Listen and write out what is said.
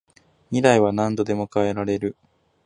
未来は何度でも変えられる